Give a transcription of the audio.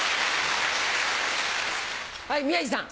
はい宮治さん。